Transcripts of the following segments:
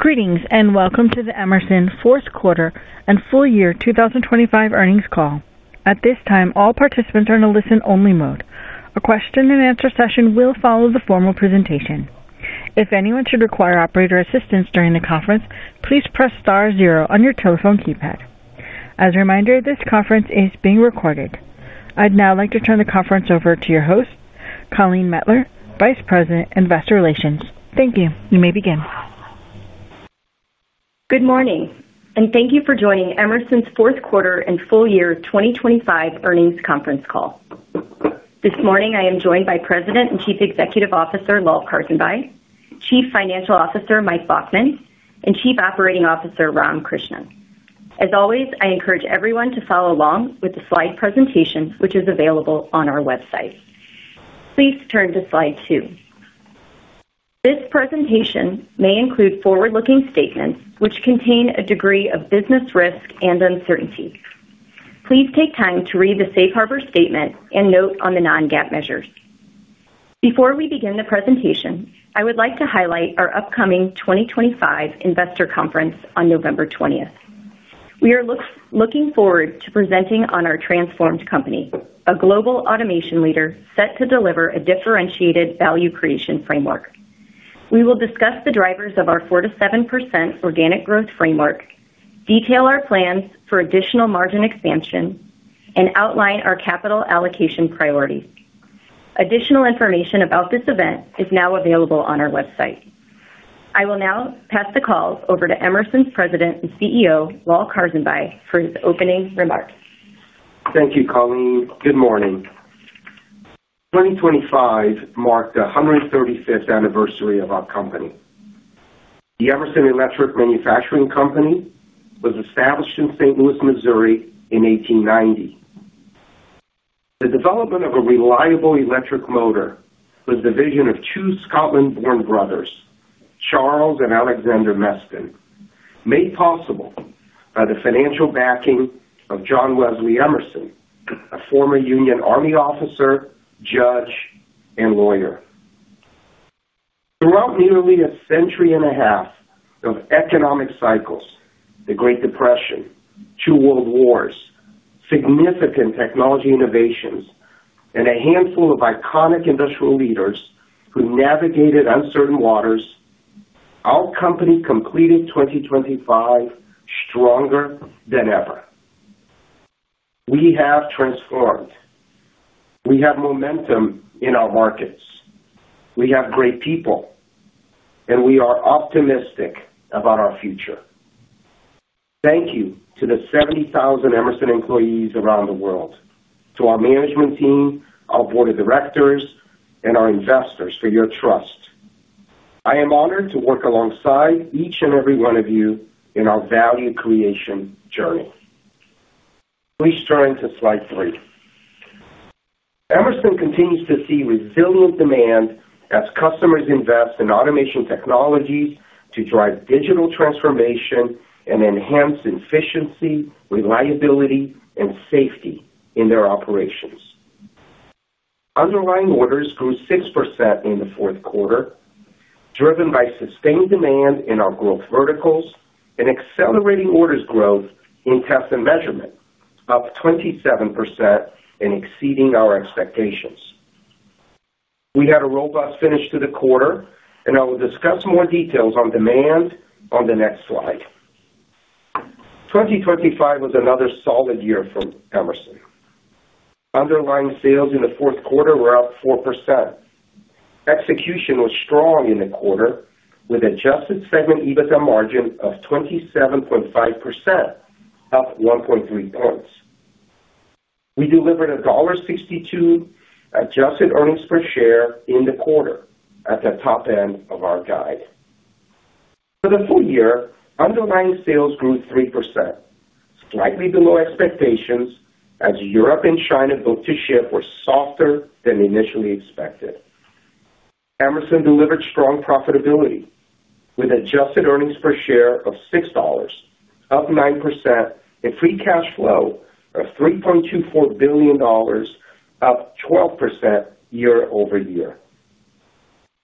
Greetings and welcome to the Emerson fourth quarter and full year 2025 earnings call. At this time, all participants are in a listen only mode. A Question and Answer session will follow the formal presentation. If anyone should require operator assistance during the conference, please press Star 0 on your telephone keypad. As a reminder, this conference is being recorded. I'd now like to turn the conference over to your host, Colleen Mettler, Vice President, Investor Relations. Thank you. You may begin. Good morning and thank you for joining Emerson's fourth quarter and full year 2025 earnings conference call. This morning I am joined by President and Chief Executive Officer Lal Karsanbhai, Chief Financial Officer Michael Baughman, and Chief Operating Officer Ram Krishnan. As always, I encourage everyone to follow along with the slide presentation which is available on our website. Please turn to slide 2. This presentation may include forward looking statements which contain a degree of business risk and uncertainty. Please take time to read the Safe Harbor statement and note on the non-GAAP measures. Before we begin the presentation, I would like to highlight our upcoming 2025 investor conference. On November 20th, we are looking forward to presenting on our transformed company, our global automation leader set to deliver a differentiated value creation framework. We will discuss the drivers of our 4-7% organic growth framework, detail our plans for additional margin expansion and outline our capital allocation priorities. Additional information about this event is now available on our website. I will now pass the call over to Emerson's President and CEO Lal Karsanbhai for his opening remarks. Thank you Colleen. Good morning. 2025 marked the 135th anniversary of our company. The Emerson Electric Manufacturing Company was established in St. Louis, Missouri in 1890. The development of a reliable electric motor was the vision of two Scotland-born brothers, Charles and Alexander Meston, made possible by the financial backing of John Wesley Emerson, a former Union Army officer, judge and lawyer. Throughout nearly a century and a half of economic cycles, the Great Depression, two world wars, significant technology innovations and a handful of iconic industrial leaders who navigated uncertain waters, our company completed 2025 stronger than ever. We have transformed. We have momentum in our markets, we have great people and we are optimistic about our future. Thank you to the 70,000 Emerson employees around the world, to our management team, our Board of Directors and our investors. For your trust, I am honored to work alongside each and every one of you in our value creation journey. Please turn to slide 3. Emerson continues to see resilient demand as customers invest in automation technologies to drive digital transformation and enhance efficiency, reliability, and safety in their operations. Underlying orders grew 6% in the fourth quarter driven by sustained demand in our growth verticals and accelerating orders. Growth in test and measurement up 27% and exceeding our expectations. We had a robust finish to the quarter and I will discuss more details on demand on the next slide. 2023 was another solid year for Emerson. Underlying sales in the fourth quarter were up 4%. Execution was strong in the quarter with adjusted segment EBITDA margin of 27.5% up 1.3 percentage points. We delivered $1.62 adjusted earnings per share in the quarter at the top end of our guide. For the full year, underlying sales grew 3% slightly below expectations as Europe and China book to ship were softer than initially expected. Emerson delivered strong profitability with adjusted earnings per share of $6, up 9%, and free cash flow of $3.24 billion, up 12% year over year.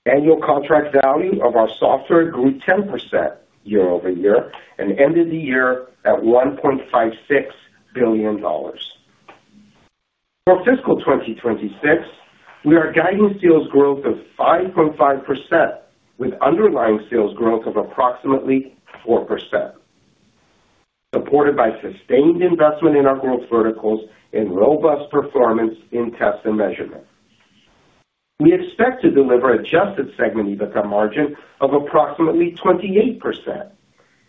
Annual contract value of our software grew 10% year over year and ended the year at $1.56 billion. For fiscal 2026, we are guiding sales growth of 5.5% with underlying sales growth of approximately 4% supported by sustained investment in our growth verticals and robust performance in test and measurement. We expect to deliver adjusted segment EBITDA margin of approximately 28%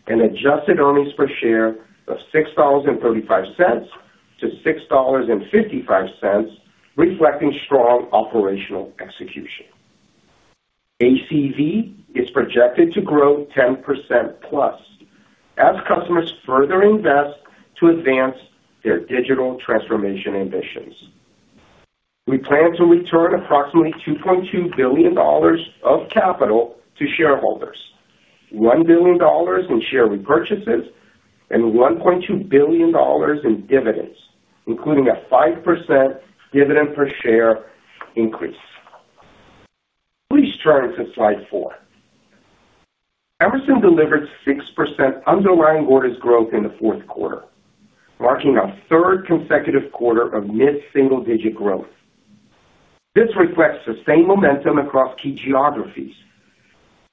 and adjusted earnings per share of $6.35-$6.55 reflecting strong operational execution. ACV is projected to grow 10% plus as customers further invest to advance their digital transformation ambitions. We plan to return approximately $2.2 billion of capital to shareholders, $1 billion in share repurchases and $1.2 billion in dividends, including a 5% dividend per share increase. Please turn to Slide 4. Emerson delivered 6% underlying orders growth in the fourth quarter, marking our third consecutive quarter of mid single digit growth. This reflects the same momentum across key geographies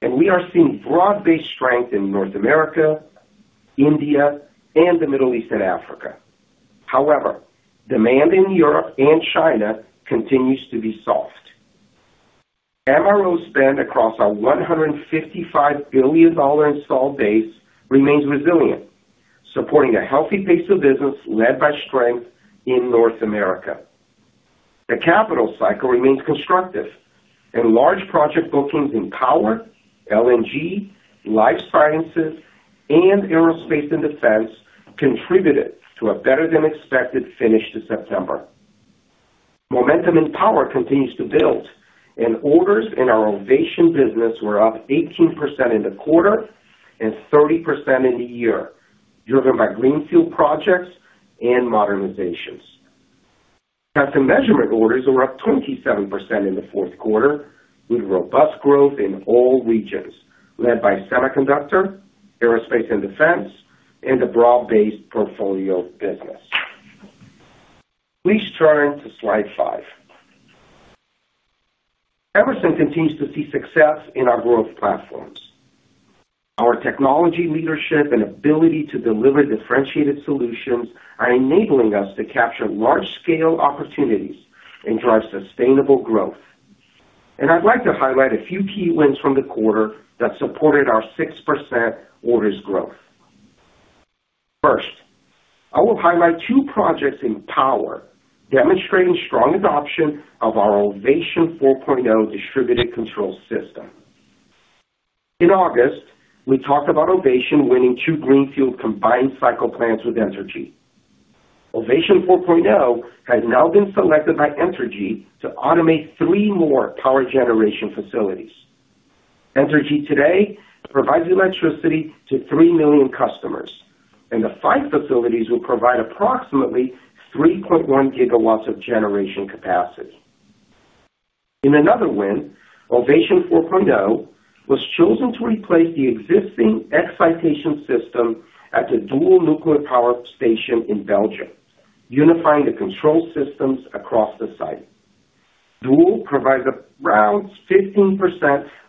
and we are seeing broad based strength in North America, India and the Middle East and Africa. However, demand in Europe and China continues to be soft. MRO spend across our $155 billion installed base remains resilient, supporting a healthy pace of business led by strength in North America. The capital cycle remains constructive and large. Project bookings in Power, LNG, Life Sciences and Aerospace and Defense contributed to a better than expected finish this September. Momentum in power continues to build and orders in our Ovation business were up 18% in the quarter and 30% in the year, driven by greenfield projects and modernizations. Custom measurement orders were up 27% in the fourth quarter with robust growth in all regions led by Semiconductor, Aerospace and Defense, and the broad-based portfolio business. Please turn to slide 5. Emerson continues to see success in our growth platforms. Our technology, leadership, and ability to deliver differentiated solutions are enabling us to capture large-scale opportunities and drive sustainable growth, and I'd like to highlight a few key wins from the quarter that supported our 6% orders growth. First, I will highlight two projects in power demonstrating strong adoption of our Ovation 4.0 distributed control system. In August we talked about Ovation winning two greenfield combined cycle plants with Entergy. Ovation 4.0 has now been selected by Entergy to automate three more power generation facilities. Entergy today provides electricity to 3 million customers and the five facilities will provide approximately 3.1 gigawatts of generation capacity. In another win, Ovation 4.0 was chosen to replace the existing excitation system at the Doel Nuclear Power Station in Belgium, unifying the control systems across the site. Doel provides around 15%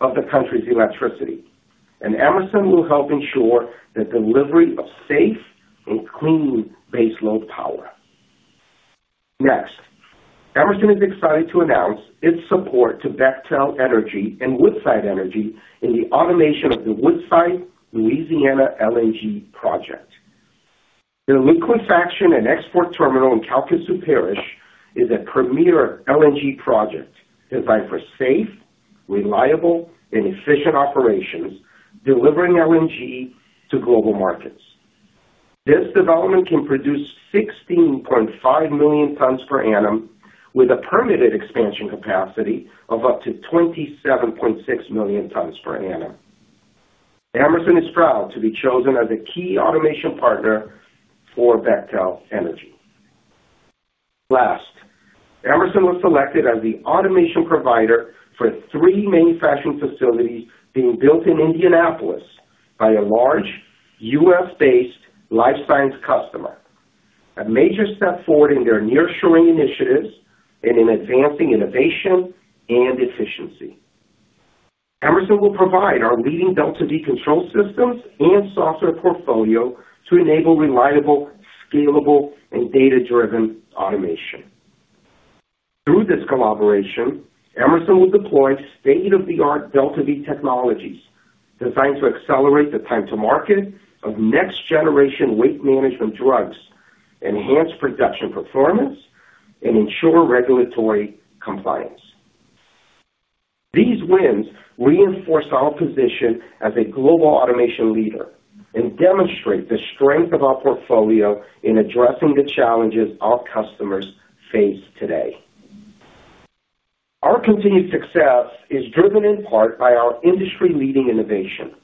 of the country's electricity and Emerson will help ensure the delivery of safe and clean baseload power. Next, Emerson is excited to announce its support to Bechtel Energy and Woodside Energy in the automation of the Woodside Louisiana LNG project. The liquefaction and export terminal in Calcasieu Parish is a premier LNG project designed for safe, reliable and efficient operations delivering LNG to global markets. This development can produce 16.5 million tons per annum with a permitted expansion capacity of up to 27.6 million tons per annum. Emerson is proud to be chosen as a key automation partner for Bechtel Energy. Last, Emerson was selected as the automation provider for three manufacturing facilities being built in Indianapolis by a large US-based life science customer. A major step forward in their near shoring initiatives and in advancing innovation and efficiency. Emerson will provide our leading DeltaV control systems and software portfolio to enable reliable, scalable and data-driven automation. Through this collaboration, Emerson will deploy state-of-the-art DeltaV technologies designed to accelerate the time to market of next generation weight management drugs, enhance production performance and ensure regulatory compliance. These wins reinforce our position as a global automation leader and demonstrate the strength of our portfolio in addressing the challenges our customers face today. Our continued success is driven in part by our industry leading innovation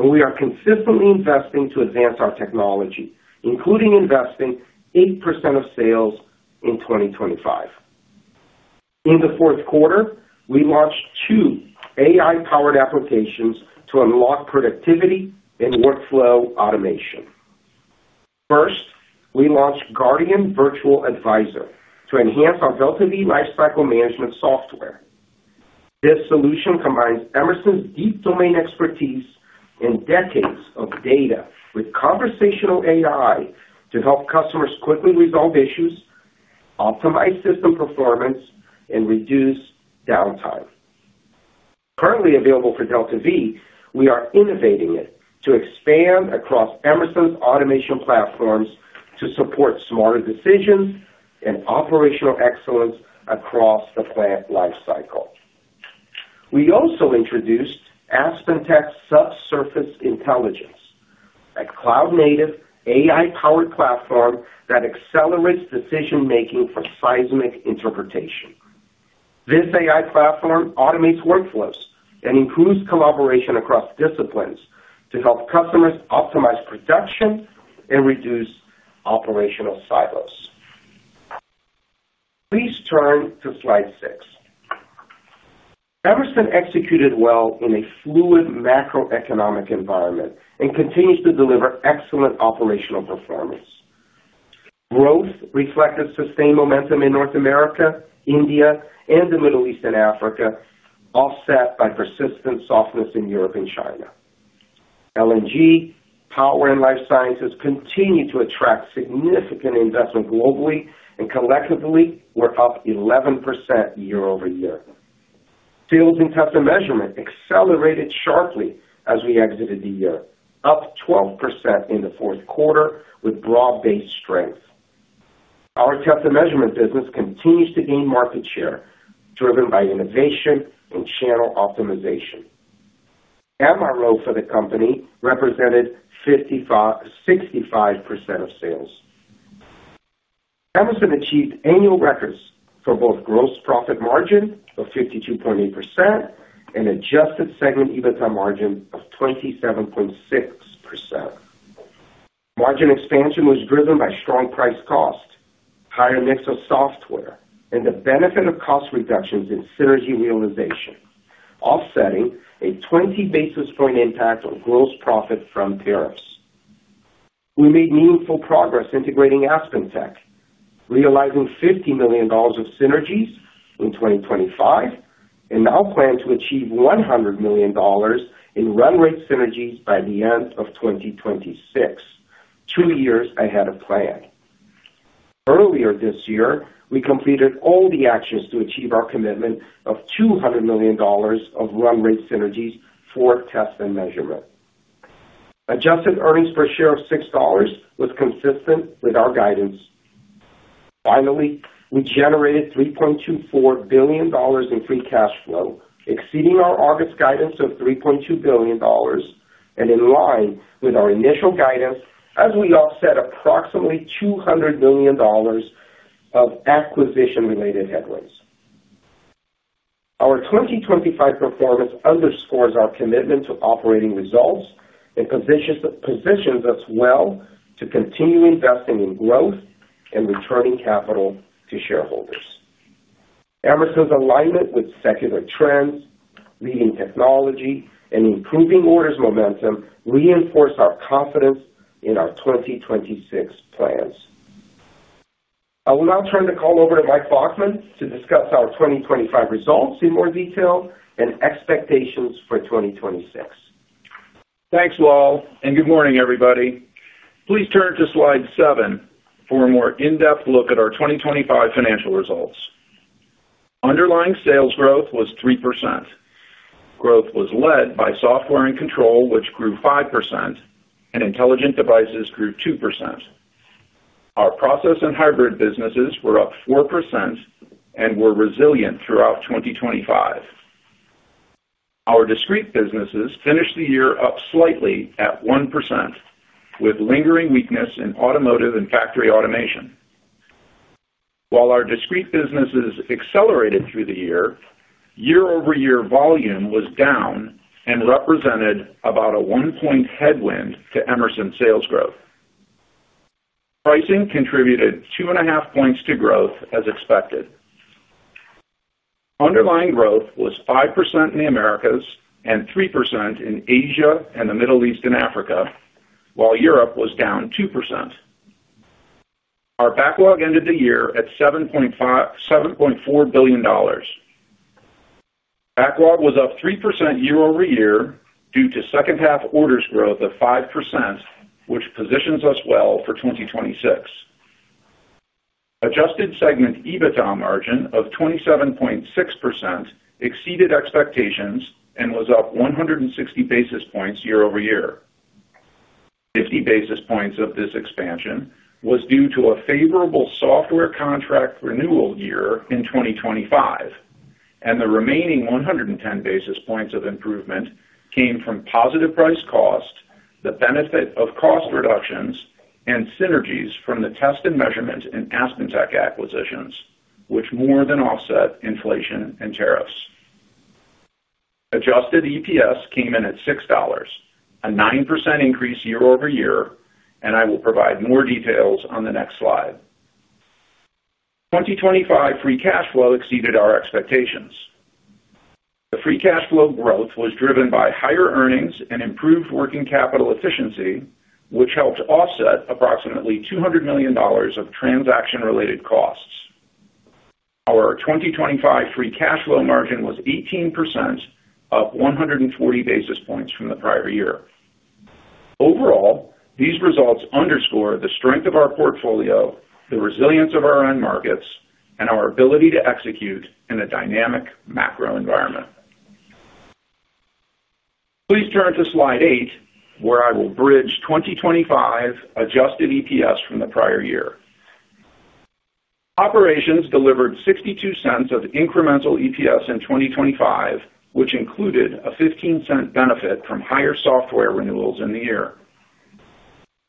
and we are consistently investing to advance our technology including investing 8% of sales in 2025. In the fourth quarter we launched two AI powered applications to unlock productivity and workflow automation. First we launched Guardian Virtual Advisor to enhance our DeltaV lifecycle management software. This solution combines Emerson's deep domain expertise and decades of data with conversational AI to help customers quickly resolve issues, optimize system performance and reduce downtime, currently available for DeltaV. We are innovating it to expand across Emerson's automation platforms to support smarter decisions and operational excellence across the plant lifecycle. We also introduced Aspen Tech Subsurface Intelligence, a cloud-native AI-powered platform that accelerates decision-making for seismic interpretation. This AI platform automates workflows and improves collaboration across disciplines to help customers optimize production and reduce operational silos. Please turn to slide 6. Emerson executed well in a fluid macroeconomic environment and continues to deliver excellent operational performance. Growth reflected sustained momentum in North America, India, and the Middle East and Africa, offset by persistent softness in Europe and China. LNG, Power, and Life Sciences continued to attract significant investment globally and collectively were up 11% year over year. Sales in Test and Measurement accelerated sharply as we exited the year, up 12% in the fourth quarter with broad-based strength. Our Test and Measurement business continues to gain market share driven by innovation and channel optimization. MRO for the company represented 65% of sales. Emerson achieved annual records for both gross profit margin of 52.8% and adjusted segment EBITDA margin of 27.6%. Margin expansion was driven by strong price cost, higher mix of software and the benefit of cost reductions in synergy realization offsetting a 20 basis point impact of. Gross profit from tariffs. We made meaningful progress integrating Aspen Tech, realizing $50 million of synergies 2025 and now plan to achieve $100 million in run rate synergies by the end of 2026, two years ahead of plan. Earlier this year we completed all the actions to achieve our commitment of $200 million of run rate synergies for test and measurement. Adjusted earnings per share of $6 was consistent with our guidance. Finally, we generated $3.24 billion in free cash flow, exceeding our August guidance of $3.2 billion and in line with our initial guidance as we offset approximately $200 million of acquisition related headwinds. Our 2025 performance underscores our commitment to operating results and positions us well for to continue investing in growth and returning capital to shareholders. Emerson's alignment with secular trends, leading technology and improving orders momentum reinforce our confidence in our 2026 plans. I will now turn the call over to Michael Baughman to discuss our 2025 results in more detail and expectations for 2026. Thanks Lal and good morning everybody. Please turn to slide 7 for a more in depth look at our 2025 financial results. Underlying sales growth was 3%. Growth was led by software and control which grew 5% and intelligent devices grew 2%. Our process and hybrid businesses were up 4% and were resilient throughout 2025. Our discrete businesses finished the year up slightly at 1% with lingering weakness in automotive and factory automation, while our discrete businesses accelerated through the year year over year. Volume was down and represented about a 1 point headwind to Emerson sales growth. Pricing contributed 2.5 points to growth. As expected. Underlying growth was 5% in the Americas and 3% in Asia and the Middle East and Africa while Europe was down 2%. Our backlog ended the year at $7.4 billion. Backlog was up 3% year over year due to second half orders growth of 5% which positions us well for 2026. Adjusted segment EBITDA margin of 27.6% exceeded expectations and was up 100 and 60 basis points year over year. Fifty basis points of this expansion was due to a favorable software contract renewal year in 2025 and the remaining 110 basis points of improvement came from positive price cost, the benefit of cost reductions and synergies from the test and measurement and Aspen Tech acquisitions which more than offset inflation and tariffs. Adjusted EPS came in at $6, a 9% increase year over year and I will provide more details on the next slide. 2025 free cash flow exceeded our expectations. The free cash flow growth was driven by higher earnings and improved working capital efficiency which helped offset approximately $200 million of transaction related costs. Our 2025 free cash flow margin was 18%, up 140 basis points from the prior year. Overall, these results underscore the strength of our portfolio, the resilience of our end markets and our ability to execute in a dynamic macro environment. Please turn to slide 8 where I will bridge 2025 adjusted EPS from the prior year. Operations delivered $0.62 of incremental EPS in 2025, which included a $0.15 benefit from higher software renewals in the year.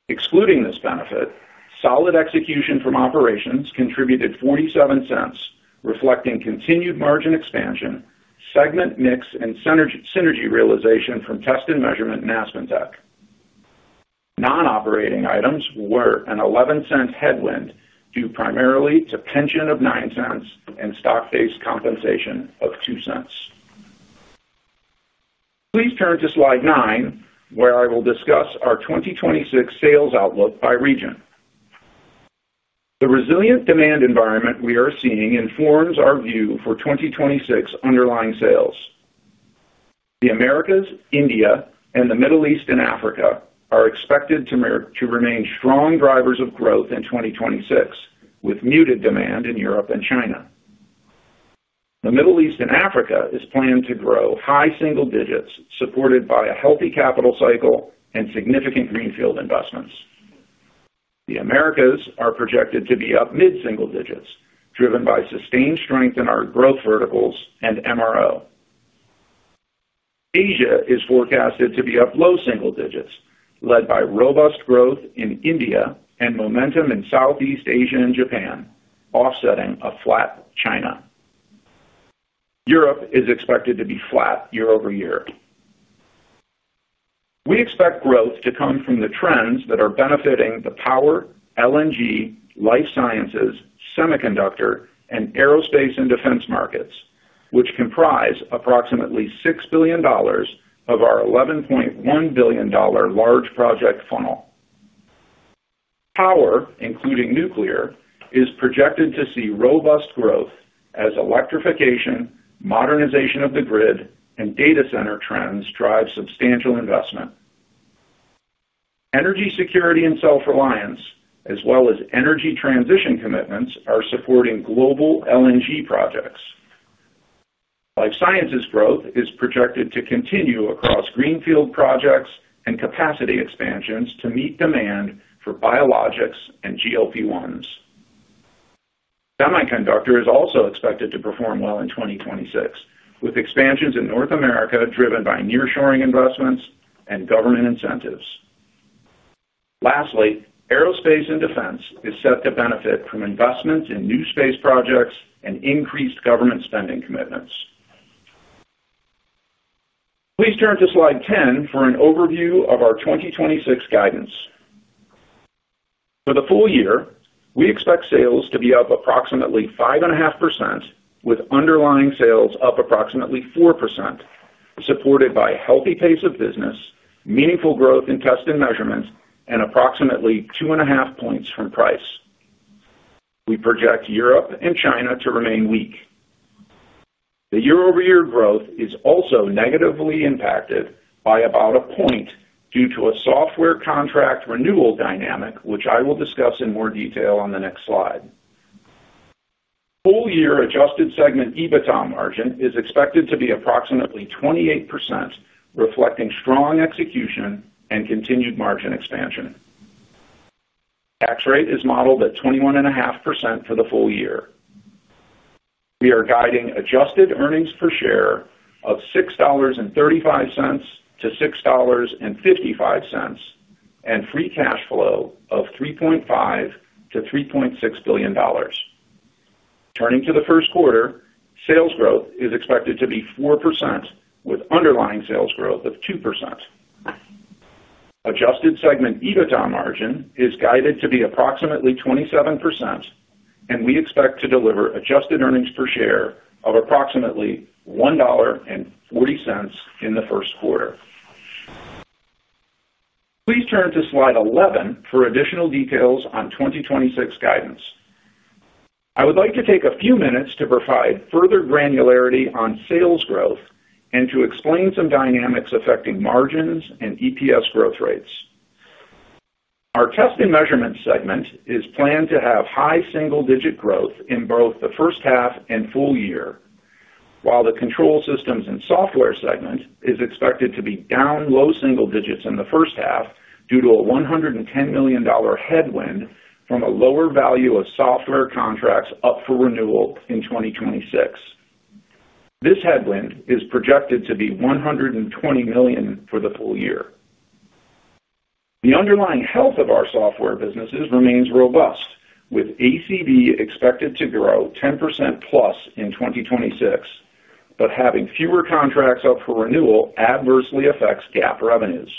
Excluding this benefit, solid execution from operations contributed $0.47, reflecting continued margin expansion, segment mix and synergy realization from Test and measurement and AspenTech. Nonoperating items were an $0.11 headwind due primarily to pension of $0.09 and stock based compensation of $0.02. Please turn to slide 9 where I will discuss our 2026 sales outlook by region. The resilient demand environment we are seeing informs our view for 2026 underlying sales. The Americas, India, and the Middle East and Africa are expected to remain strong drivers of growth in 2026 with muted demand in Europe and China. The Middle East and Africa is planned to grow high single digits supported by a healthy capital cycle and significant greenfield investments. The Americas are projected to be up mid single digits driven by sustained strength in our growth verticals and MRO. Asia. Is forecasted to be up low single digits led by robust growth in India and momentum in Southeast Asia and Japan offsetting a flat China. Europe is expected to be flat year over year. We expect growth to come from the trends that are benefiting the power, LNG, life sciences, semiconductor, and aerospace and defense markets which comprise approximately $6 billion of our $11.1 billion large project funnel. Power, including nuclear, is projected to see robust growth as electrification, modernization of the grid, and data center trends drive substantial investment. Energy security and self-reliance as well as energy transition commitments are supporting global LNG projects. Life sciences growth is projected to continue across greenfield projects and capacity expansions to meet demand for biologics and GLP1s. Semiconductor is also expected to perform well in 2026 with expansions in North America driven by near shoring investments and government incentives. Lastly, Aerospace and Defense is set to benefit from investments in new space projects and increased government spending commitments. Please turn to Slide 10 for an overview of our 2026 guidance. For the full year we expect sales to be up approximately 5.5% with underlying sales up approximately 4%, supported by healthy pace of business, meaningful growth in test and measurements and approximately 2.5 points from price. We project Europe and China to remain weak year over year. Growth is also negatively impacted by about a point due to a software contract renewal dynamic which I will discuss in more detail on the next slide. Full year Adjusted Segment EBITDA margin is expected to be approximately 28% reflecting strong execution and continued margin expansion. Tax rate is modeled at 21.5%. For the full year we are guiding adjusted earnings per share of $6.35-$6.55 and free cash flow of $3.5-$3.6 billion. Turning to the first quarter, sales growth is expected to be 4% with underlying sales growth of 2%. Adjusted segment EBITDA margin is guided to be approximately 27% and we expect to deliver adjusted earnings per share of approximately $1.40 in the first quarter. Please turn to Slide 11 for additional details on 2026 guidance. I would like to take a few. Minutes to provide further granularity on sales growth and to explain some dynamics affecting margins and EPS growth rates. Our testing measurement segment is planned to have high single digit growth in both the first half and full year, while the control systems and software segment is expected to be down low single digits in the first half due to a $110 million headwind from a lower value of software contracts up for renewal in 2026. This headwind is projected to be $120 million for the full year. The underlying health of our software businesses remains robust, with ACV expected to grow 10% plus in 2026, but having fewer contracts up for renewal adversely affects GAAP revenues.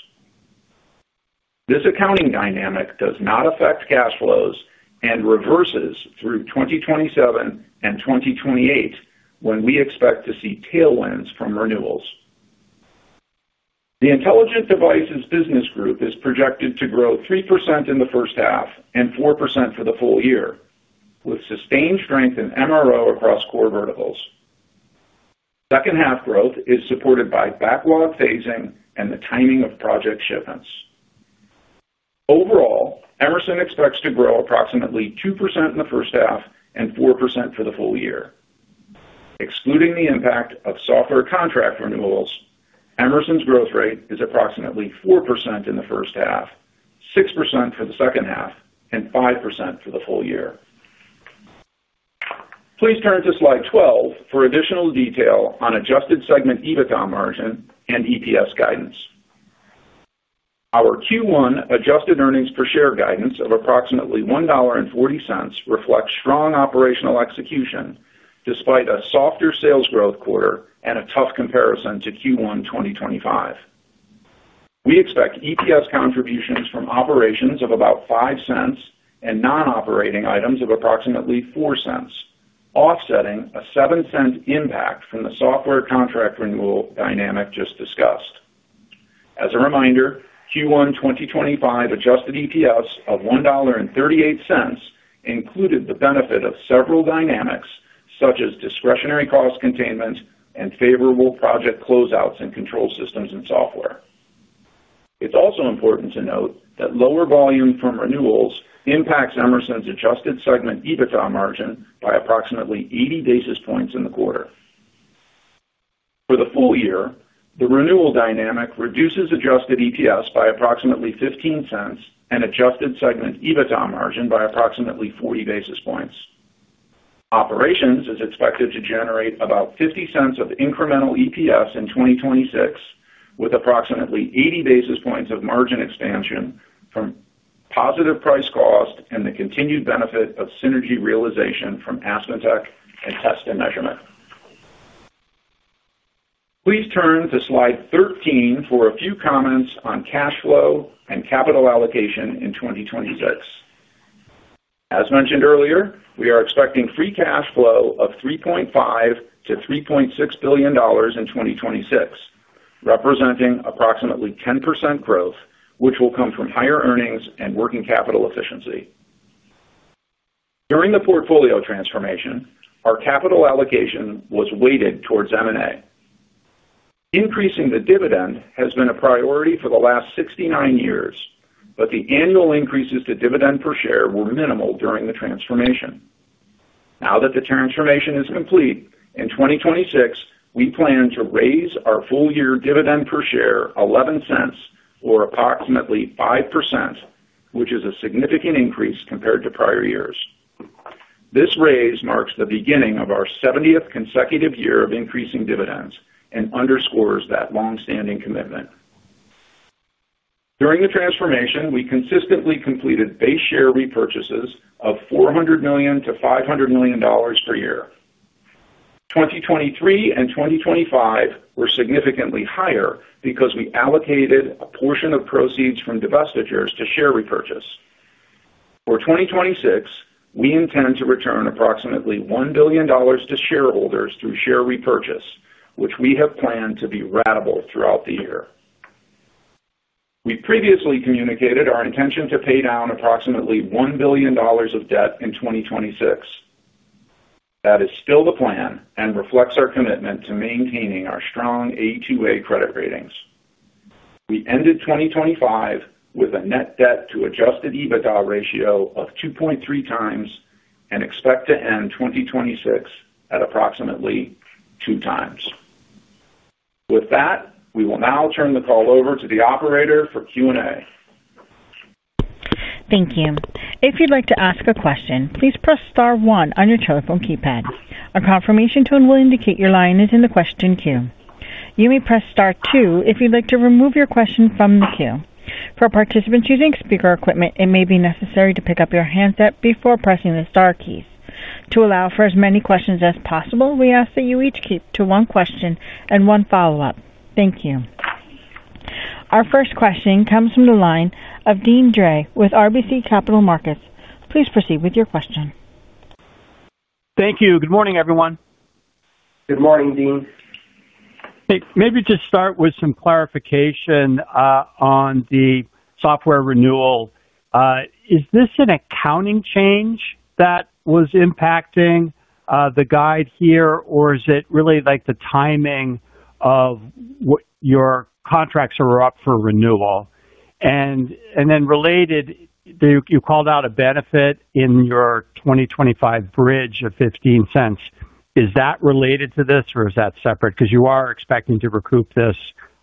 This accounting dynamic does not affect cash flows and reverses through 2027 and 2028 when we expect to see tailwinds from renewals. The Intelligent Devices Business Group is projected to grow 3% in the first half and 4% for the full year, with sustained strength in MRO across core verticals. Second half growth is supported by backlog phasing and the timing of project shipments. Overall, Emerson expects to grow approximately 2% in the first half and 4% for the full year. Excluding the impact of software contract renewals, Emerson's growth rate is approximately 4% in the first half, 6% for the second half and 5% for the full year. Please turn to Slide 12 for additional detail on adjusted segment EBITDA margin and EPS guidance. Our Q1 adjusted earnings per share guidance of approximately $1.40 reflects strong operational execution despite a softer sales growth quarter and a tough comparison to Q1 2025. We expect EPS contributions from operations of about $0.05 and nonoperating items of approximately $0.04, offsetting a $0.07 impact from the software contract renewal dynamic just discussed. As a reminder, Q1 2025 adjusted EPS of $1.38 included the benefit of several dynamics such as discretionary cost containment and favorable project closeouts in control systems and software. It is also important to note that lower volume from renewals impacts Emerson's adjusted segment EBITDA margin by approximately 80 basis points in the quarter for the full year. The renewal dynamic reduces adjusted EPS by approximately $0.15 and adjusted segment EBITDA margin by approximately 40 basis points. Operations is expected to generate about $0.50 of incremental EPS in 2026 with approximately 80 basis points of margin expansion from positive price cost and the continued benefit of synergy realization from AspenTech and test and measurement. Please turn to slide 13 for a few comments on cash flow and capital allocation in 2026. As mentioned earlier, we are expecting free cash flow of $3.5 billion-$3.6 billion in 2026, representing approximately 10% growth which will come from higher earnings and working capital efficiency during the portfolio transformation. Our capital allocation was weighted towards M&A. Increasing the dividend has been a priority for the last 69 years, but the annual increases to dividend per share were minimal during the transformation. Now that the transformation is complete in 2026, we plan to raise our full year dividend per share $0.11, or approximately 5%, which is a significant increase compared to prior years. This raise marks the beginning of our 70th consecutive year of increasing dividends and underscores that long standing commitment. During the transformation, we consistently completed base share repurchases of $400 million-$500 million per year. 2023 and 2025 were significantly higher because we allocated a portion of proceeds from divestitures to share repurchase for 2026. We intend to return approximately $1 billion to shareholders through share repurchase, which we have planned to be ratable throughout the year. We previously communicated our intention to pay down approximately $1 billion of debt in 2026. That is still the plan and reflects our commitment to maintaining our strong A2A credit ratings. We ended 2025 with a net debt to adjusted EBITDA ratio of 2.3 times and expect to end 2026 at approximately 2 times. With that, we will now turn the call over to the operator for Q and A. Thank you. If you'd like to ask a question, please press star one on your telephone keypad. A confirmation tone will indicate your line is in the question queue. You may press star two if you'd like to remove your question from the queue. For participants using speaker equipment, it may be necessary to pick up your handset before pressing the star keys. To allow for as many questions as possible, we ask that you each keep to one question and one follow up. Thank you. Our first question comes from the line of Deane Dray with RBC Capital Markets. Please proceed with your question. Thank you. Good morning everyone. Good morning, Dean. Maybe just start with some clarification on the software renewal. Is this an accounting change that was impacting the guide here, or is it really like the timing of what your contracts are up for renewal? And then related, you called out a benefit in your 2025 bridge of $0.15. Is that related to this, or is that separate because you are expecting to recoup this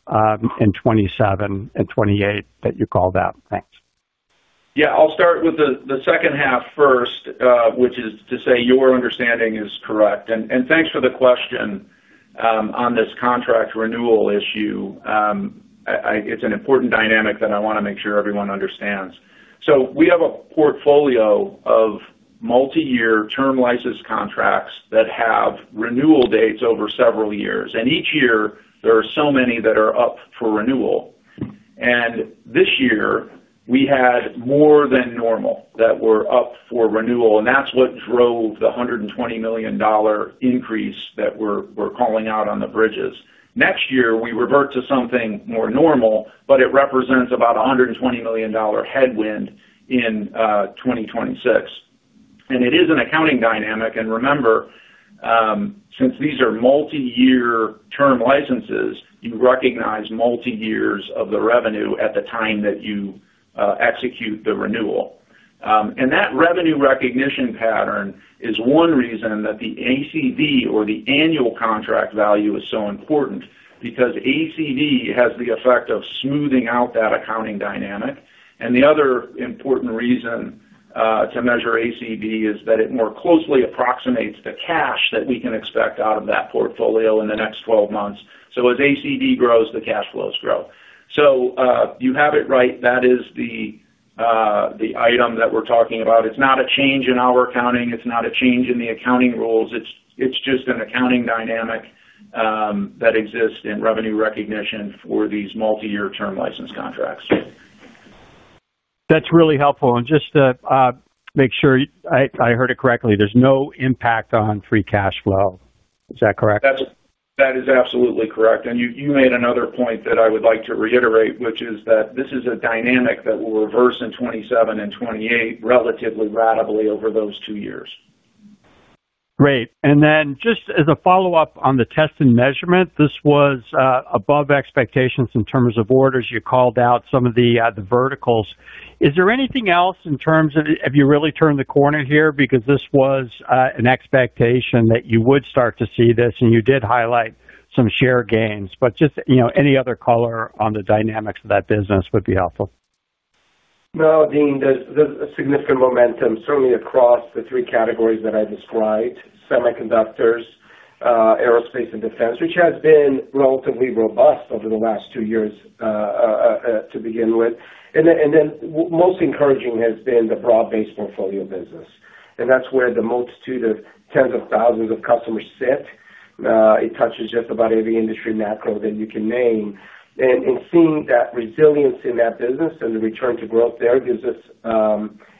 in 2027 and 2028 that you called out? Thanks. Yeah, I'll start with the second half first, which is to say your understanding is correct. Thanks for the question on this contract renewal issue. It's an important dynamic that I want to make sure everyone understands. We have a portfolio of multi year term license contracts that have renewal dates over several years. Each year there are so many that are up for renewal. This year we had more than normal that were up for renewal. That's what drove the $120 million increase that we're calling out on the bridges. Next year we revert to something more normal. It represents about a $120 million headwind in 2026. It is an accounting dynamic. Remember, since these are multi year term licenses, you recognize multi years of the revenue at the time that you execute the renewal. That revenue recognition pattern is one. Reason that the ACV or the annual. Contract value is so important, because ACV has the effect of smoothing out that accounting dynamic. The other important reason to measure ACV is that it more closely approximates the cash that we can expect out of that portfolio in the next 12 months. As ACV grows, the cash flows grow. You have it right. That is the item that we're talking about. It's not a change in our accounting, it's not a change in the accounting rules. It's just an accounting dynamic that exists in revenue recognition for these multi year term license contracts. That's really helpful. Just to make sure I heard it correctly, there's no impact on free cash flow. Is that correct? That is absolutely correct. You made another point that I would like to reiterate, which is that this is a dynamic that will reverse in 2027 and 2028 relatively ratably over those two years. Great. And then just as a follow up on the test and measurement, this was above expectations in terms of orders. You called out some of the verticals. Is there anything else in terms of have you really turned the corner here? Because this was an expectation that you would start to see this and you did highlight some share gains, but just any other color on the dynamics of that business would be helpful. No, Dean, there's significant momentum certainly across the three categories that I described, Semiconductors, aerospace and defense, which has been relatively robust over the last two years to begin with. The most encouraging has been the broad based portfolio business. That's where the multitude of tens of thousands of customers sit. It touches just about every industry macro that you can name. Seeing that resilience in that business and the return to growth there gives us,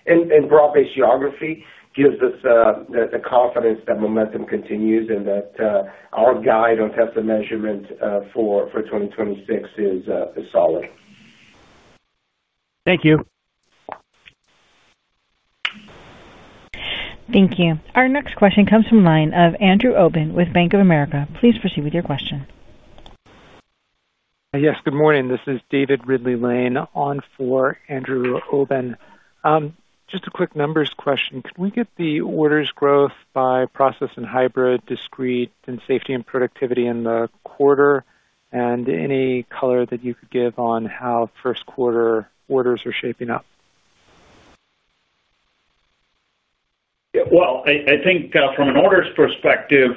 in broad based geography, the confidence that momentum continues and that our guide on test, the measurement for 2026 is solid. Thank you. Thank you. Our next question comes from line of Andrew Obin with Bank of America. Please proceed with your question. Yes, good morning, this is David Ridley-Lane on for Andrew Obin. Just a quick numbers question. Can we get the orders growth process and hybrid discrete and safety and productivity in the quarter, and any color that you could give on how first quarter orders are shaping up? I think from an orders perspective,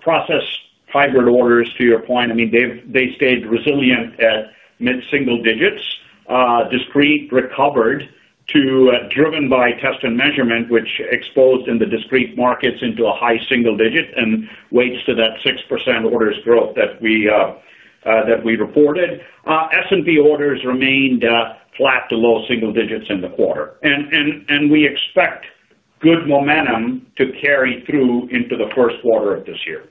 process hybrid orders to your point, I mean they stayed resilient at mid single digits, discrete recovered too, driven by test and measurement which exposed in the discrete markets into a high single digit and weights to that 6% orders growth that we reported. S and P orders remained flat to low single digits in the quarter and we expect good momentum to carry through into the first quarter of this year.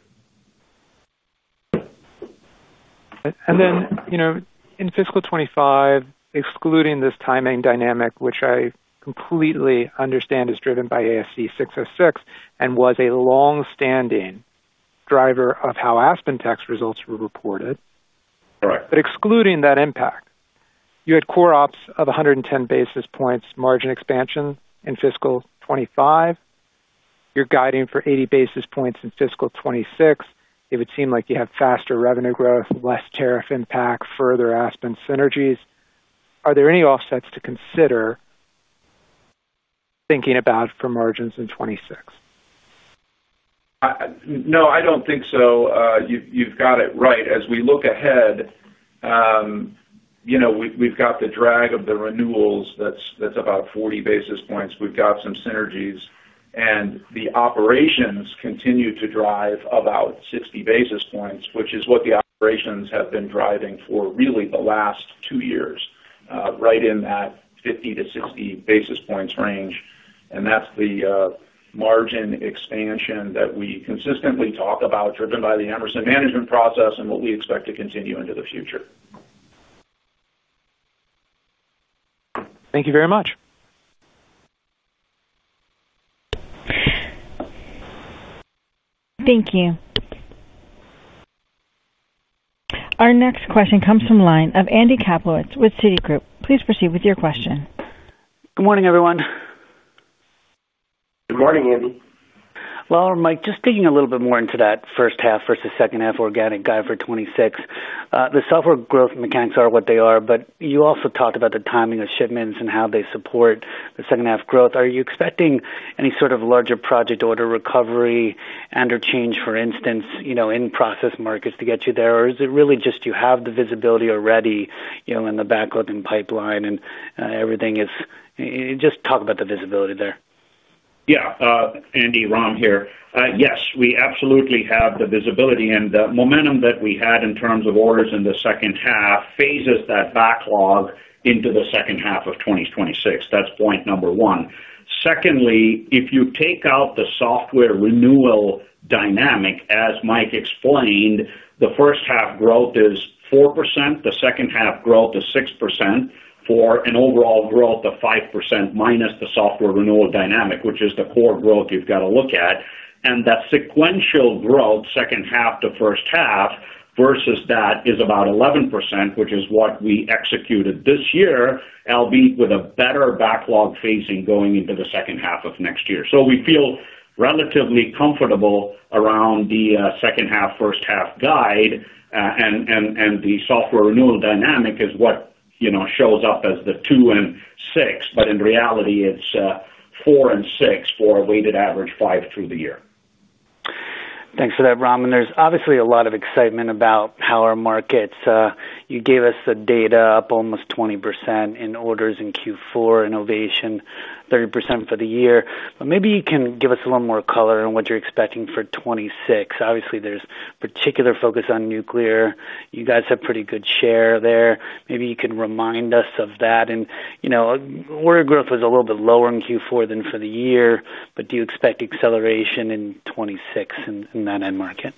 You know, in fiscal 2025, excluding this timing dynamic which I completely understand is driven by ASC 606 and was a long-standing driver of how Aspen Tech results were reported. Excluding that impact, you had CoreOps of 110 basis points margin expansion in fiscal 2025. You're guiding for 80 basis points in fiscal 2026. It would seem like you have faster revenue growth, less tariff impact, further Aspen synergies. Are there any offsets to consider thinking. About for margins in 2026? No, I don't think so. You've got it right. As we look ahead, you know, we've got the drag of the renewals, that's about 40 basis points. We've got some synergies and the operations continue to drive about 60 basis points which is what the operations have been driving for really the last two years right in that 50-60 basis points range. And that's the margin expansion that we consistently talk about driven by the Emerson management process and what we expect to continue into the future. Thank you very much. Thank you. Our next question comes from line of Andrew Kaplowitz with Citigroup. Please proceed with your question. Good morning everyone. Good morning, Andrew. Michael, just digging a little bit more into that first half versus second half organic guide for 2026. The software growth mechanics are what they are. You also talked about the timing of shipments and how they support the second half growth. Are you expecting any sort of larger project order recovery and or change, for instance, you know, in process markets to get you there? Or is it really just you have the visibility already, you know, in the backlog and pipeline and everything? Just talk about the visibility there. Yeah, Andrew, Ram here. Yes, we absolutely have the visibility and the momentum that we had in terms of orders in the second half phases that backlog into the second half of 2026. That's point number one. Secondly, if you take out the software renewal dynamic, as Michael explained, the first half growth is 4%, the second half growth is 6% for an overall growth of 5% minus the software renewal dynamic, which is the core growth you've got to look at. That sequential growth second half to first half versus that is about 11%, which is what we executed this year, albeit with a better backlog facing going into the second half of next year. We feel relatively comfortable around the second half first half guide. The software renewal dynamic is what shows up as the 2 and 6, but in reality it's 4 and 6 for weighted average 5 through the year. Thanks for that Ram. There's obviously a lot of excitement about how our markets, you gave us the data up almost 20% in orders in Q4, innovation, 30% for the year. Maybe you can give us a little more color on what you're expecting for 2026. Obviously there's particular focus on nuclear. You guys have pretty good share there. Maybe you can remind us of that. You know, order growth was a little bit lower in Q4 than for the year. Do you expect acceleration in 2026. In that end market?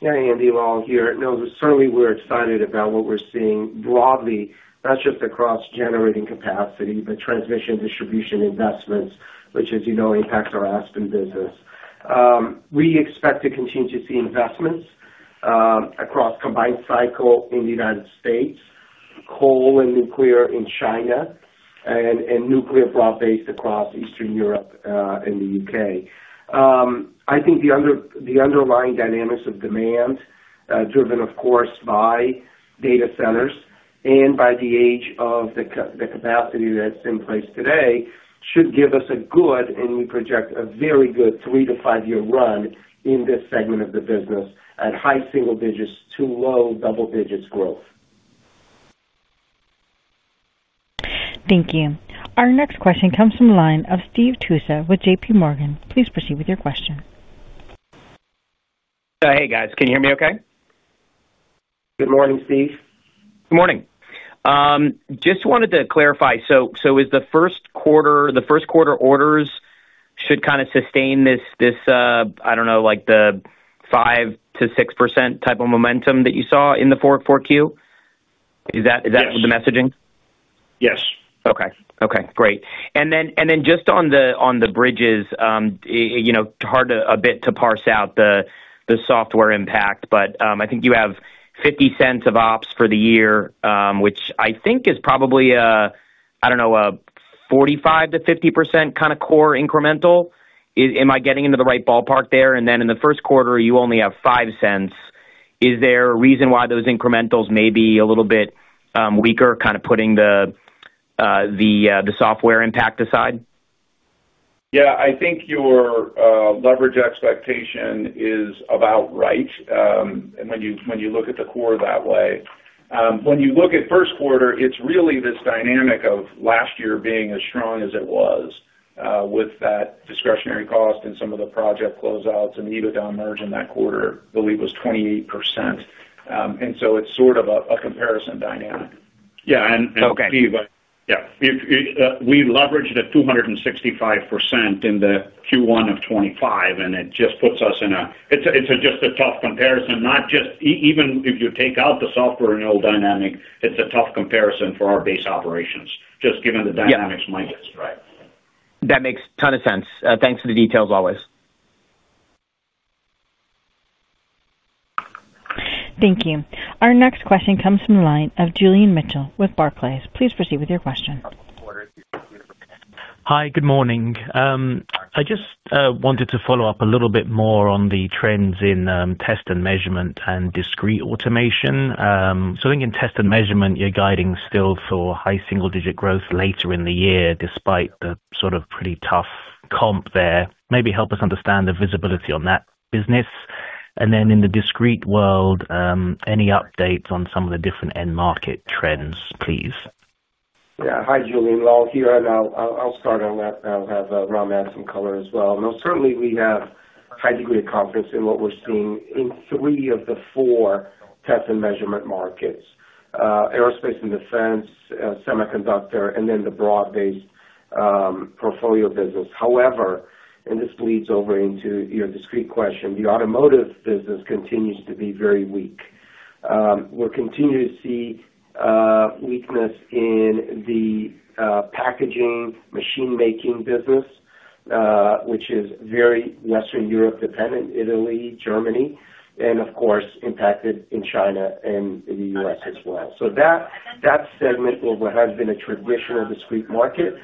Andrew, Lal here. Certainly we're excited about what we're seeing broadly, not just across generating capacity, but transmission, distribution investments, which as you know, impacts our Aspen business. We expect to continue to see investments across combined cycle in the United States, coal and nuclear in China, and nuclear prop based across Eastern Europe and the U.K. I think the underlying dynamics of demand, driven of course by data centers and by the age of the capacity that's in place today, should give us a good, and we project a very good three- to five-year run in this segment of the business at high single digits to low double digits growth. Thank you. Our next question comes from the line of Steve Tusa with JPMorgan. Please proceed with your question. Hey guys, can you hear me? Okay. Good morning, Steve. Good morning. Just wanted to clarify. Is the first quarter the first? Quarter orders should kind of sustain this. I don't know, like the five to. 6% type of momentum that you saw in the 4Q. Is that the messaging? Yes. Okay, okay, great. Just on the bridges, you know, hard a bit to parse out the software impact, but I think you have $0.50 of ops for the year, which I think is probably, I don't know, a 45%-50% kind of core incremental. Am I getting into the right ballpark there? In the first quarter you only have $0.05. Is there a reason why those incrementals? May be a little bit weaker. Kind of putting the software impact aside. Yeah. I think your leverage expectation is about right when you look at the core. That way when you look at first quarter, it's really this dynamic of last year being as strong as it was with that discretionary cost and some of the project closeouts and EBITDA margin that quarter believe was 28% and so it's sort of a comparison dynamic. Yeah. Steve, yeah, we leveraged at 265% in the Q1 of 2025 and it just puts us in a, it's just a tough comparison. Not just even if you take out the software renewal dynamic, it's a tough comparison for our base operations, just given the dynamics mindset. Right. That makes a ton of sense. Thanks for the details. Always. Thank you. Our next question comes from the line of Julian Mitchell with Barclays. Please proceed with your question. Hi, good morning. I just wanted to follow up a little bit more on the trends in test and measurement and discrete automation. I think in test and measurement you're guiding still for high single digit growth later in the year despite the sort of pretty tough comp there. Maybe help us understand the visibility on that business and then in the discrete world. Any updates on some of the different end market trends, please? Yeah. Hi Julian. I'll start and I'll have Ram add some color as well. Most certainly we have high degree of confidence in what we are seeing in three of the four test and measurement markets, aerospace and defense, semiconductor, and then the broad based portfolio business. However, and this leads over into your discrete question, the automotive business continues to be very weak. We're continuing to see weakness in the packaging machine making business which is very Western Europe dependent, Italy, Germany, and of course impacted in China and the US as well. That segment of what has been a traditional discrete market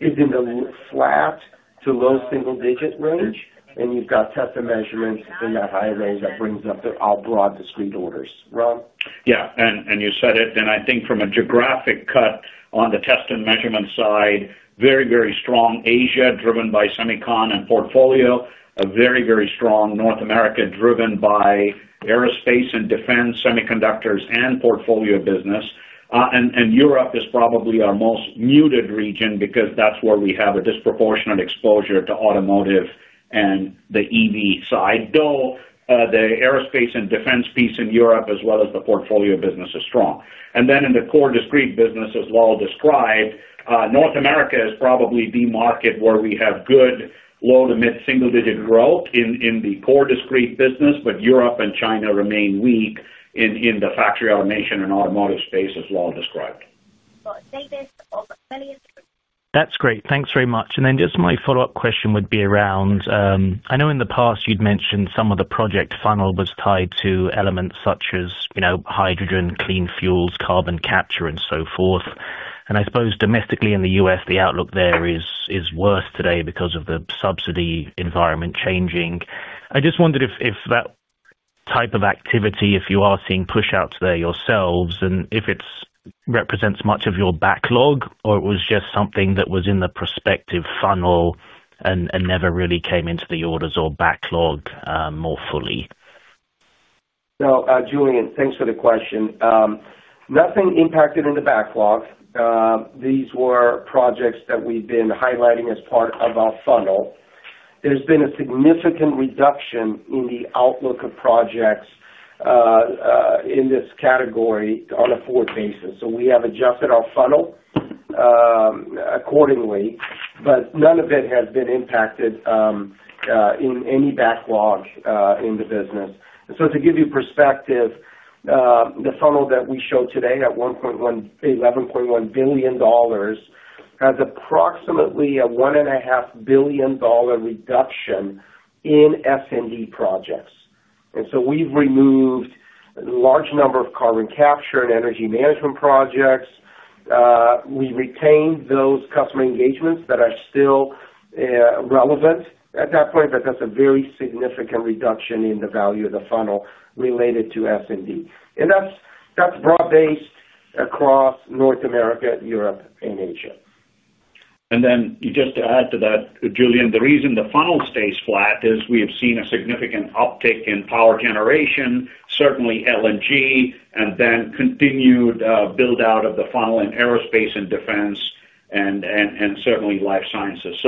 is in the flat to low single digit range and you've got test and measurement in that high range. That brings up all broad discrete orders. Ram. Yeah, you said it. I think from a geographic cut on the test and measurement side, very, very strong Asia driven by semiconductor portfolio, a very, very strong North America driven by aerospace and defense semiconductors and portfolio business. Europe is probably our most muted region because that is where we have a disproportionate exposure to automotive and the EV side, though the aerospace and defense piece in Europe as well as the portfolio business is strong. In the core discrete business, as Lal described, North America is probably the market where we have good low to mid single digit growth in the core discrete business. Europe and China remain weak in the factory automation and automotive space as Lal described. That's great, thanks very much. My follow up question would be around, I know in the past you'd mentioned some of the project funnel was tied to elements of such as hydrogen, clean fuels, carbon capture and so forth. I suppose domestically in the U.S. the outlook there is worse today because of the subsidy environment changing. I just wondered if that type of. Activity, if you are seeing pushouts there yourselves and if it represents much of your backlog or it was just something that was in the prospective funnel and never really came into the orders or backlog more fully. Julian, thanks for the question. Nothing impacted in the backlog. These were projects that we've been highlighting. As part of our funnel. has been a significant reduction in the outlook of projects in this category on a forward basis. We have adjusted our funnel accordingly. None of it has been impacted in any backlog in the business. To give you perspective, the funnel that we show today at $11.1 billion has approximately a $1.5 billion reduction in S and D projects. We have removed a large number of carbon capture and energy management projects. We retain those customer engagements that are still relevant at that point. That is a very significant reduction in the value of the funnel related to S and D and that is broad based across North America, Europe, and Asia. Just to add to that. Julian, the reason the funnel stays flat is we have seen a significant uptick in power generation, certainly LNG and then continued build out of the funnel in aerospace and defense and certainly life sciences.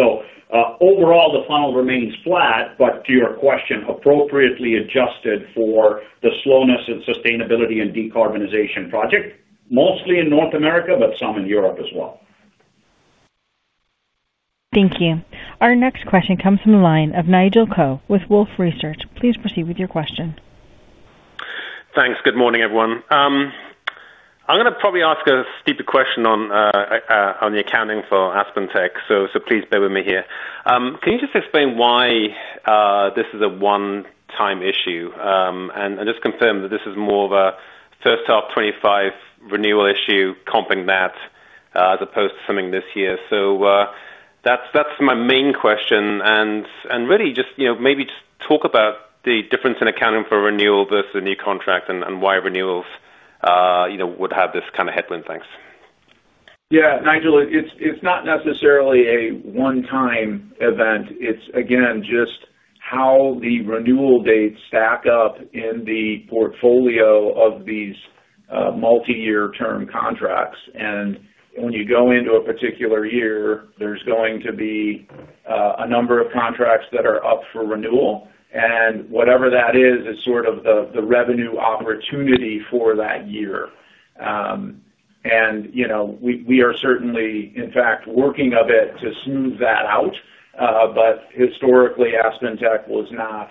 Overall, the funnel remains flat. To your question, appropriately adjusted for the slowness in sustainability and decarbonization project, mostly in North America, but some in Europe as well. Thank you. Our next question comes from the line of Nigel Coe with Wolfe Research. Please proceed with your question. Thanks. Good morning everyone. I'm going to probably ask a stupid question on the accounting for Aspen Tech, so please bear with me here. Can you just explain why this is a one time issue and just confirm that this is more of a first half 2025 renewal issue comping that as opposed to something this year? That's my main question, and really just maybe just talk about the difference in accounting for renewal versus a new contract and why renewals would have this kind of headwind. Thanks. Yeah Nigel, it's not necessarily a one time event, it's again just how the renewal dates stack up in the portfolio of these multi year term contracts. When you go into a particular year, there's going to be a number of contracts that are up for renewal and whatever that is, it's sort of the revenue opportunity for that year. We are certainly in fact working a bit to smooth that out. Historically Aspen Tech was not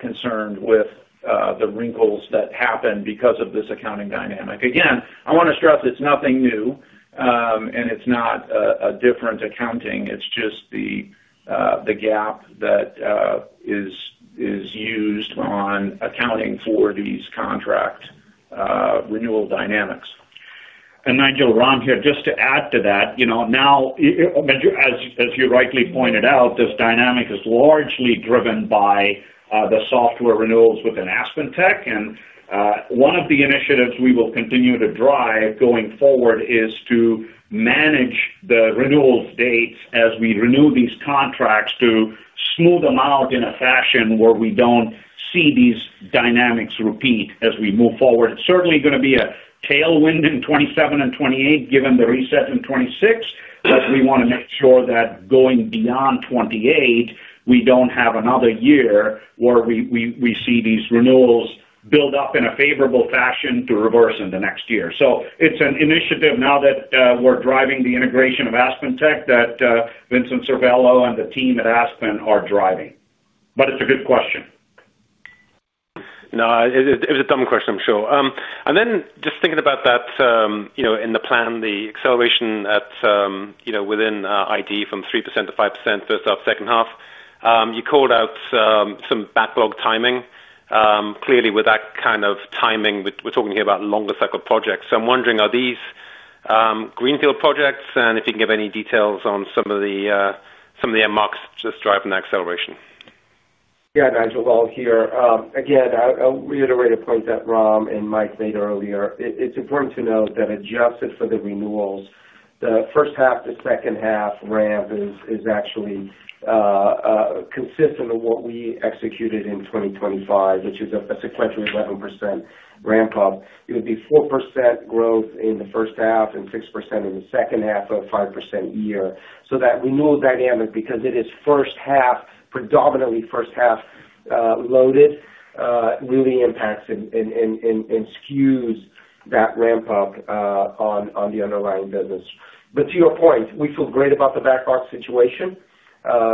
concerned with the wrinkles that happen because of this accounting dynamic. Again, I want to stress it's nothing new and it's not a different accounting. It's just the GAAP that is used on accounting for these contract renewal dynamics. Nigel Coe here just to add to that. Now, as you rightly pointed out, this dynamic is largely driven by the software renewals within Aspen Tech. One of the initiatives we will continue to drive going forward is to manage the renewals dates as we renew these contracts to smooth them out in a fashion where we do not see these dynamics repeat as we move forward. It is certainly going to be a tailwind in 2027 and 2028 given the reset in 2026, but we want to make sure that going beyond 2028 we do not have another year where we see these renewals build up in a favorable fashion to reverse in the next year. It is an initiative now that we are driving, the integration of Aspen Tech that Vincent Cervelo and the team at Aspen Tech are driving. It's a good question. No, it was a dumb question, I'm sure. Just thinking about that in the plan, the acceleration within ID from 3.3% to 5% first half, second half, you called out some backlog timing. Clearly with that kind of timing, we're talking here about longer cycle projects. I'm wondering, are these greenfield projects and if you can give any details on some of the M marks just driving that acceleration. Yeah, Nigel Coe here. Again, I'll reiterate a point that Ram and Michael made earlier. It's important to note that, adjusted for the renewals, the first half to second half ramp is actually consistent with what we executed in 2025, which is a sequentially 11% ramp up. It would be 4% growth in the first half and 6% in the second half of a 5% year. That renewal dynamic, because it is predominantly first half loaded, really impacts and skews that ramp up on the underlying business. To your point, we feel great about the backlog situation.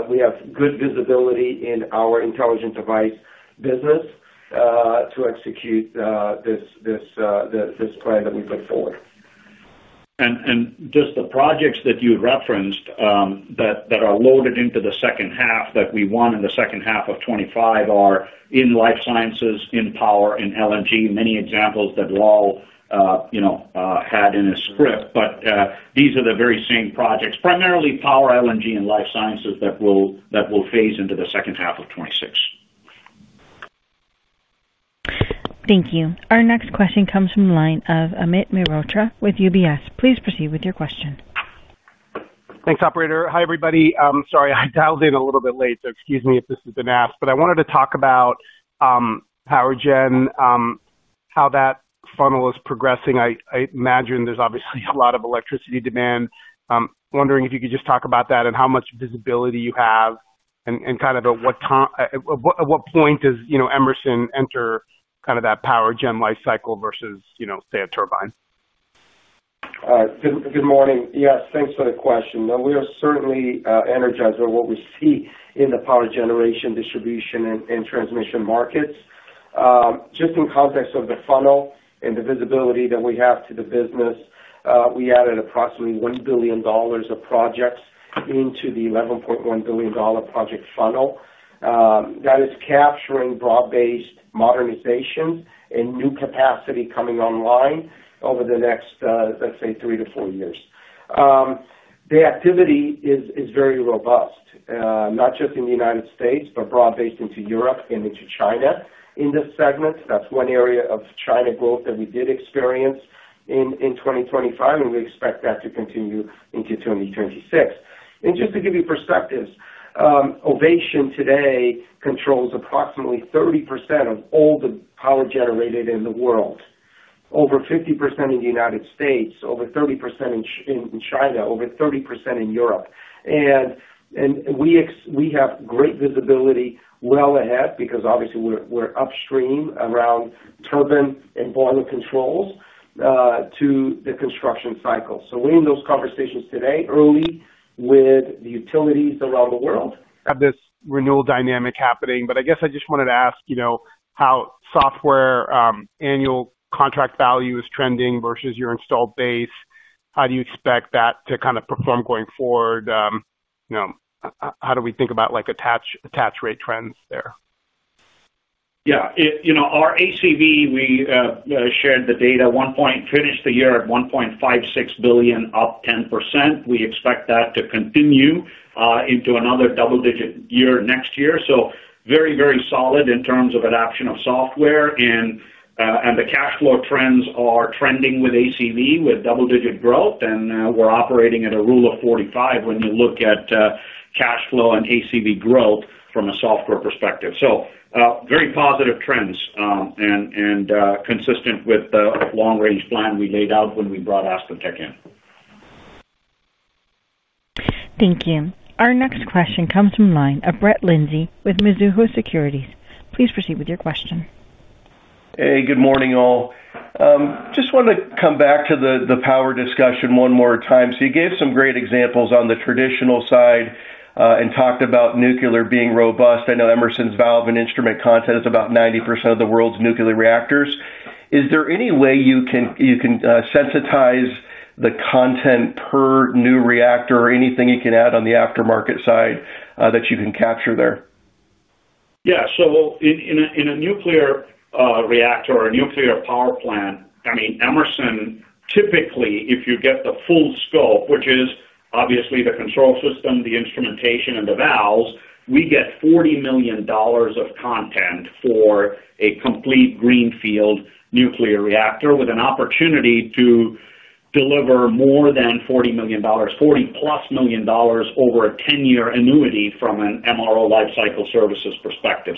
We have good visibility in our intelligent device business to execute this plan that we put forward. The projects that you referenced that are loaded into the second half that we won in 2H25 are in life sciences, in power, in LNG. Many examples that Lal, you know, had in his script. These are the very same projects, primarily power, LNG, and life sciences, that will phase into 2H26. Thank you. Our next question comes from the line of Amit Mehrotra with UBS. Please proceed with your question. Thanks, operator. Hi everybody, sorry I dialed in a little bit late, so excuse me if this has been asked, but I wanted to talk about power gen, how that funnel is progressing. I imagine there's obviously a lot of electricity demand. Wondering if you could just talk about that and how much visibility you have and kind of at what point does, you know, Emerson enter kind of that. Power gen lifecycle versus, you know, say a turbine. Good morning. Yes, thanks for the question. We are certainly energized on what we see in the power generation, distribution and transmission markets just in context of the funnel and the visibility that we have to the business. We added approximately $1 billion of projects into the $11.1 billion project funnel that is capturing broad based modernizations and new capacity coming online over the next, let's say, three to four years. The activity is very robust not just in the United States, but broad based into Europe and into China in this segment. That is one area of China growth that we did experience in 2025 and we expect that to continue into 2026. Just to give you perspective, Ovation today controls approximately 30% of all the power generated in the world. Over 50% in the United States, over 30% in China, over 30% in Europe. We have great visibility well ahead because obviously we're upstream around turbine and boiler controls to the construction cycle. We're in those conversations today early with the utilities around the world. this renewal dynamic happening. I just wanted to ask how software annual contract value is trending versus your installed base. How do you expect that to kind of perform going forward? How do we think about like attach rate trends there? Yeah, you know our ACV we shared the data. One point finished the year at $1.56 billion up 10%. We expect that to continue into another double digit year next year. Very, very solid in terms of adoption of software. The cash flow trends are trending with ACV with double digit growth. We are operating at a rule of 45 when you look at cash flow and ACV growth from a software perspective. Very positive trends and consistent with the long range plan we laid out when we brought AspenTech in. Thank you. Our next question comes from the line of Brett Linzey with Mizuho Securities. Please proceed with your question. Hey, good morning all. Just wanted to come back to the power discussion one more time. You gave some great examples on the traditional side and talked about nuclear being robust. I know Emerson's valve and instrument content is about 90% of the world's nuclear reactors. Is there any way you can sensitize the content per new reactor or anything you can add on the aftermarket side that you can capture there? Yeah. In a nuclear reactor or nuclear power plant, I mean, Emerson, typically, if you get the full scope, which is obviously the control system, the instrumentation and the valves, we get $40 million of content for a complete greenfield nuclear reactor with an opportunity to deliver more than $40 million. $40 million-plus over a 10 year annuity from an MRO Lifecycle Services perspective.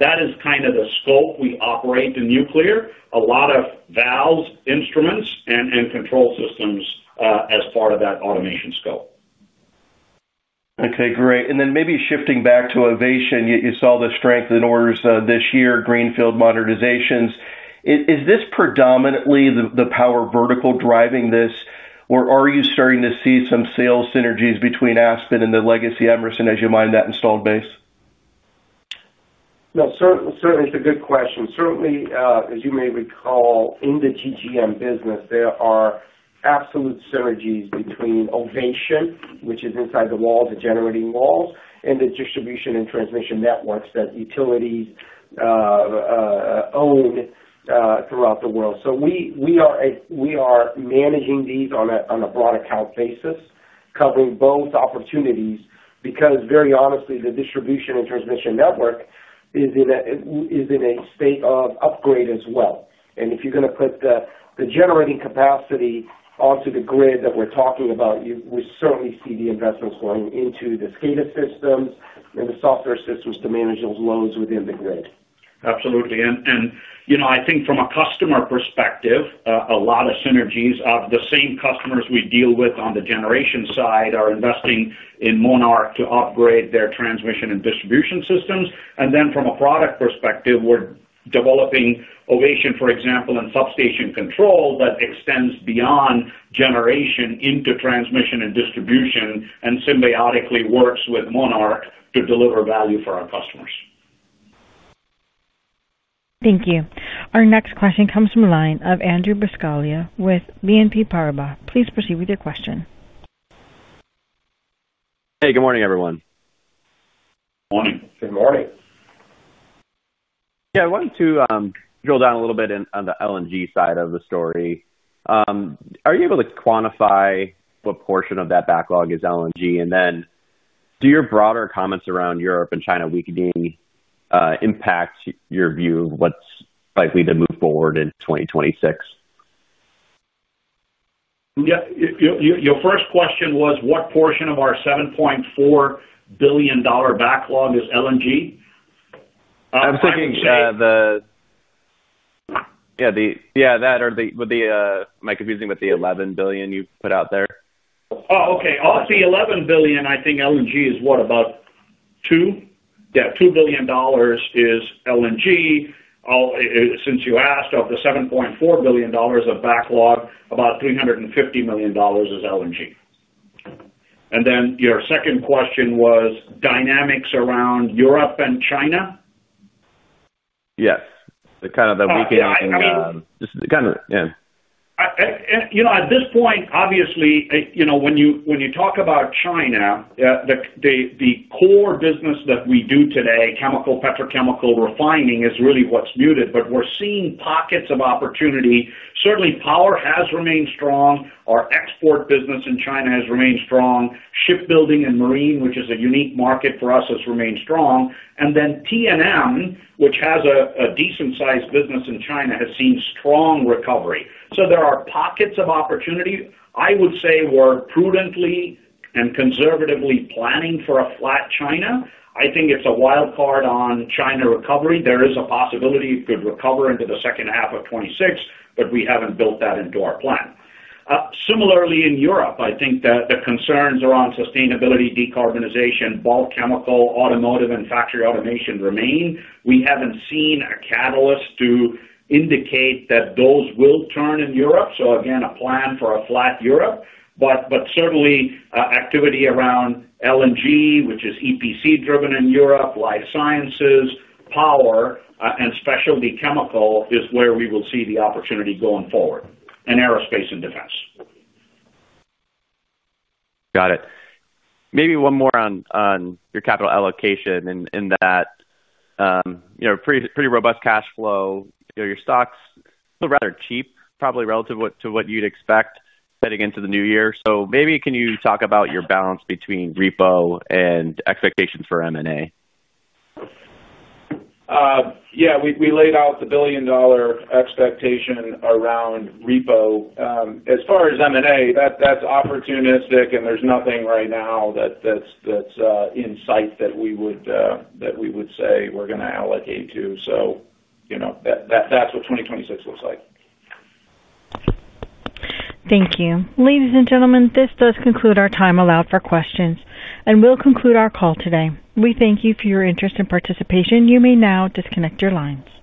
That is kind of the scope. We operate in nuclear. A lot of valves, instruments and control systems as part of that automation scope. Okay, great. Maybe shifting back to Ovation, you saw the strength in orders this year. Greenfield Modern. Is this predominantly the power vertical driving this, or are you starting to see some sales synergies between Aspen and the Legacy Emerson, as you mine that installed base? No, certainly it's a good question. Certainly. As you may recall, in the GGM business, there are absolute synergies between Ovation, which is inside the wall, the generating walls, and the distribution and transportation transmission networks that utilities own throughout the world. We are managing these on a broad account basis, covering both opportunities, because very honestly, the distribution and transmission network is in a state of upgrade as well. If you're going to put the generating capacity onto the grid that we're talking about, certainly see the investments going into the SCADA systems and the software systems to manage those loads within the grid. Absolutely. You know, I think from a customer perspective, a lot of synergies, the same customers we deal with on the generation side are investing in Monarch to upgrade their transmission and distribution systems. From a product perspective, we're developing Ovation, for example, in substation control that extends beyond generation into transmission and distribution and symbiotically works with Monarch to deliver value for our customers. Thank you. Our next question comes from the line of Andrew Buscaglia with BNP Paribas. Please proceed with your question. Hey, good morning, everyone. Good morning. Good morning. Yeah, I wanted to drill down a little bit on the LNG side of the story. Are you able to quantify what portion of that backlog is LNG? And then do your broader comments around Europe and China weakening impact your view of what's likely to move forward in 2026? Your first question was what portion of our $7.4 billion backlog is LNG? I was thinking the. Yeah, that. Am I confusing with the $11 billion you put out there? Oh, okay. Off the $11 billion, I think LNG is what, about 2. Yeah, $2 billion is LNG. Since you asked, of the $7.4 billion of backlog, about $350 million is LNG. Your second question was dynamics around Europe and China. Yes, the kind of the weakening. You know, at this point, obviously, you know, when you, when you talk about China, the core business that we do today, chemical, petrochemical refining, is really what's muted, but we're seeing pockets of opportunity. Certainly power has remained strong. Our export business in China has remained strong. Shipbuilding and marine, which is a unique market for us, has remained strong. And then TNM, which has a decent sized business in China, has seen strong recovery. So there are pockets of opportunity. I would say we're prudently and conservatively planning for a flat China. I think it's a wild card on China recovery. There is a possibility it could recover into 2H 2026, but we haven't built that into our plan. Similarly in Europe, I think that the concerns around sustainability, decarbonization, bulk chemical, automotive and factory automation remain. We have not seen a catalyst to indicate that those will turn in Europe. Again, a plan for a flat Europe, but certainly activity around LNG, which is EPC driven in Europe, life sciences, power, and specialty chemical is where we will see the opportunity going forward in aerospace and defense. Got it. Maybe one more on your capital allocation. In that pretty robust cash flow, your stocks are rather cheap, probably relative to what you would expect heading into the new year. Maybe can you talk about your balance between repo and expectations for M and A? Yeah, we laid out the $1 billion expectation around repo as far as M&A. That's opportunistic. And there's nothing right now that's in sight that we would say we're going to allocate to. So you know, that's what 2026 looks like. Thank you, ladies and gentlemen. This does conclude our time allowed for questions and will conclude our call today. We thank you for your interest and participation. You may now disconnect your lines.